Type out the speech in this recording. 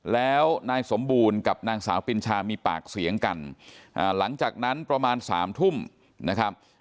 แล้วนายสมบูรณ์กับนางสาวปินชามีปากเสียงกันหลังจากนั้นประมาณสามทุ่มนะครับ